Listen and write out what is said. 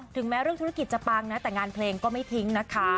แม้เรื่องธุรกิจจะปังนะแต่งานเพลงก็ไม่ทิ้งนะคะ